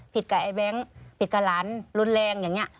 ผิดกับไอ้แบงค์ผิดกับหลานรุนแรงอย่างนี้